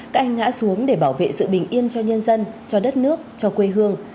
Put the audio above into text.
các anh ngã xuống để bảo vệ sự bình yên cho nhân dân cho đất nước cho quê hương